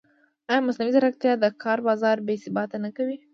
ایا مصنوعي ځیرکتیا د کار بازار بېثباته نه کوي؟